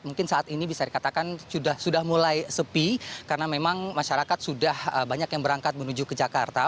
mungkin saat ini bisa dikatakan sudah mulai sepi karena memang masyarakat sudah banyak yang berangkat menuju ke jakarta